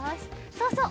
そうそう。